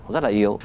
rất là yếu